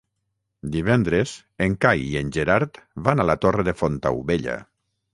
Divendres en Cai i en Gerard van a la Torre de Fontaubella.